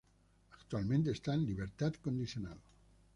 Actualmente está en libertad condicional.